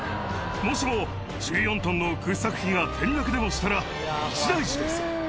もしも１４トンの掘削機が転落でもしたら、一大事です。